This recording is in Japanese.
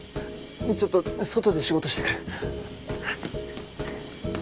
ちょっと外で仕事してくる。